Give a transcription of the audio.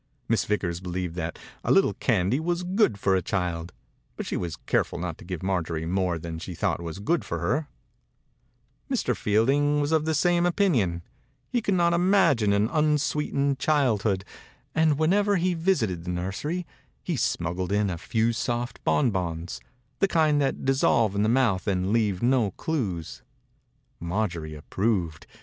Miss Vickers believed that a little candy was good for a child, but she was careful not to give Marjorie more than she thought was good for her. 97 THE INCUBATOR BABY Mr. Fielding was of the same opinion. He could not imagine an unsweetened childhood, and whenever he visited the nursery he smuggled in a few soft bon bons — the kind that dissolve in the mouth and leave no clews. Marjorie approved.